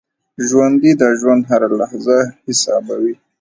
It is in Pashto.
ژوندي د ژوند هره لحظه حسابوي